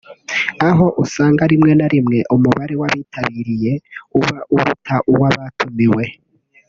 aho usanga rimwe na rimwe umubare w’abitabiriye uba uruta uw’abatumiwe